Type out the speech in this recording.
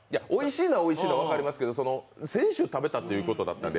おいしいのは分かりますけど先週食べたということだったんで。